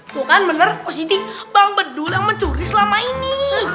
bukan bener pak siti bang bedul yang mencuri selama ini